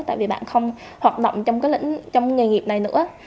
tại vì bạn không hoạt động trong nghề nghiệp này nữa